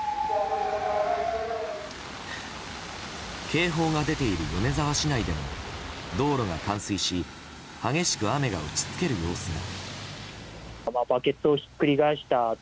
警報が出ている米沢市内でも道路が冠水し激しく雨が打ち付ける様子が。